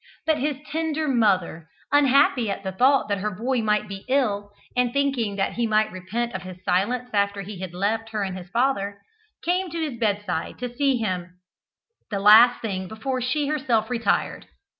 But his tender mother, unhappy at the thought that her boy might be ill, and thinking that he might repent of his silence after he had left her and his father, came to his bedside to see him the last thing before she herself retired.